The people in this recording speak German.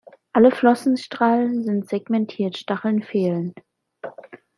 Alle Flossenstrahlen sind segmentiert, Stacheln fehlen.